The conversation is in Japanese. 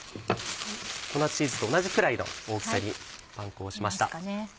粉チーズと同じ位の大きさにパン粉をしました。